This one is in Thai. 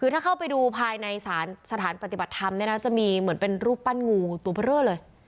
คือถ้าเข้าไปดูภายในสถานปฏิบัติธรรมเนี่ยนะจะมีเหมือนเป็นรูปปั้นงูตัวเบอร์เลย